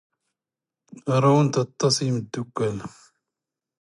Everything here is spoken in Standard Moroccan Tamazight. ⵖⵔⵡⵏⵜ ⴰⵟⵟⴰⵚ ⵏ ⵉⵎⴷⴷⵓⴽⴽⴰⵍ.